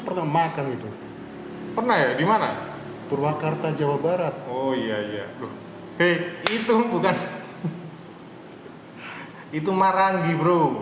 pernah makan itu pernah ya dimana purwakarta jawa barat oh iya iya itu bukan itu marangi bro